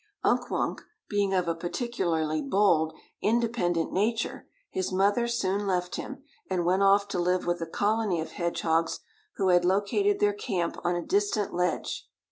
Unk Wunk being of a particularly bold, independent nature, his mother soon left him, and went off to live with a colony of hedgehogs who had located their camp on a distant ledge.